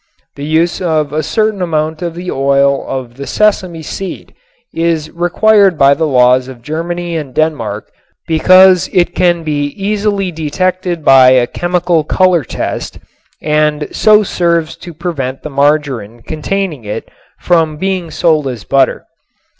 The use of a certain amount of the oil of the sesame seed is required by the laws of Germany and Denmark because it can be easily detected by a chemical color test and so serves to prevent the margarin containing it from being sold as butter.